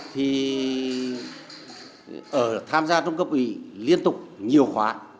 thì ở tham gia trong cấp ủy liên tục nhiều khóa